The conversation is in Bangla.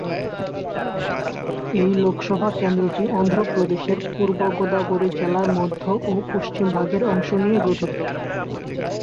এই লোকসভা কেন্দ্রটি অন্ধ্রপ্রদেশের পূর্ব গোদাবরী জেলার মধ্য ও পশ্চিম ভাগের অংশ নিয়ে গঠিত।